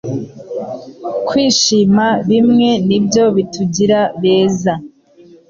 kwishima bimwe nibyo bitugira beza